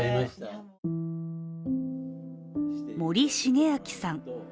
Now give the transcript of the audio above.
森重昭さん。